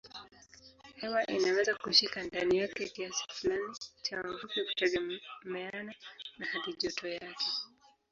Hewa inaweza kushika ndani yake kiasi fulani cha mvuke kutegemeana na halijoto yake.